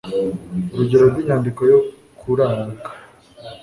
urugero rw'inyandiko yo kuraga